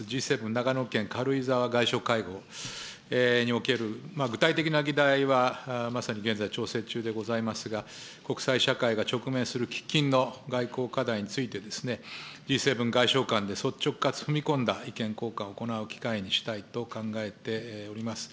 長野県軽井沢外相会合における具体的な議題はまさに現在、調整中でございますが、国際社会が直面する喫緊の外交課題についてですね、Ｇ７外相間で率直かつ踏み込んだ意見交換を行う機会にしたいと考えております。